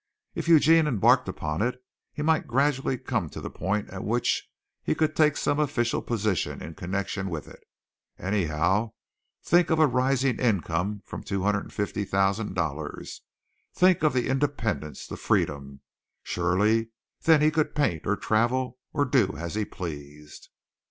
If Eugene embarked upon it, he might gradually come to the point at which he could take some official position in connection with it. Anyhow, think of a rising income from $250,000! Think of the independence, the freedom! Surely then he could paint or travel, or do as he pleased.